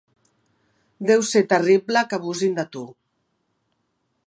Deu ser terrible que abusin de tu.